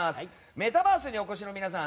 メタバースにお越しの皆さん